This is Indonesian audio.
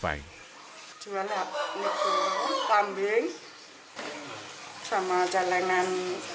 jualan kambing sama celengan